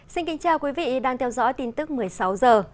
xin kính chào quý vị đang theo dõi tin tức một mươi sáu h